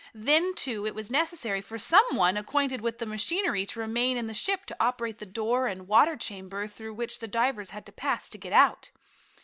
Then, too, it was necessary for some one acquainted with the machinery to remain in the ship to operate the door and water chamber through which the divers had to pass to get out.